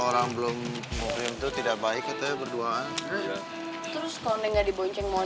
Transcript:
orang belum mokrim itu tidak baik kita berduaan terus kondengnya dibonceng